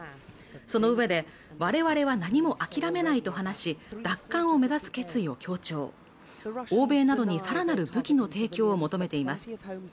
そのうえでわれわれは何も諦めないと話し奪還を目指す決意を強調欧米などにさらなる武器の提供を求めています